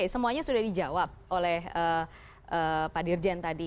ini jawab oleh pak dirjen tadi